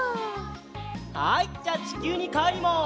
はいじゃちきゅうにかえります。